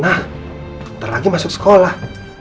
nanti lagi masuk sekolah